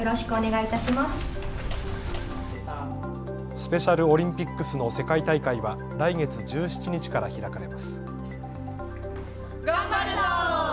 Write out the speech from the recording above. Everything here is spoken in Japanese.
スペシャルオリンピックスの世界大会は来月１７日から開かれます。